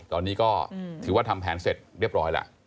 ตอนนี้ก็ถือว่าทำแผนเสร็จเรียบร้อยแล้ว